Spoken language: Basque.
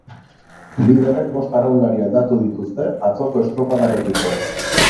Liderrek bost arraunlari aldatu dituzte atzoko estropadarekiko.